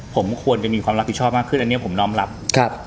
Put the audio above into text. ผมควรจะมีความรับผิดชอบมากขึ้นอันนี้ผมน้อมรับครับ